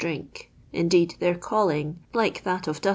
driiik ; indeed their callin;:. like that of diisl